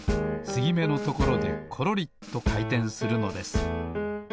つぎめのところでコロリとかいてんするのです。